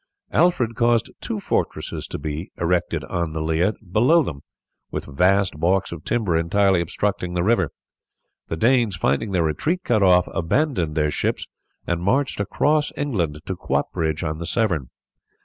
Alfred caused two fortresses to be erected on the Lea below them, with vast balks of timber entirely obstructing the river. The Danes, finding their retreat cut off, abandoned their ships and marched across England to Cwatbridge on the Severn.